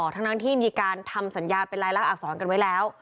ทั้งที่มีการทำสัญญาเป็นรายลักษรกันไว้แล้ว